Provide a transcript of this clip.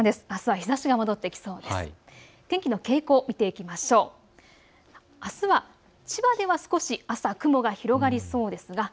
日ざしが戻ってきそうです。